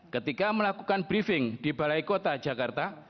ketika melakukan briefing di balai kota jakarta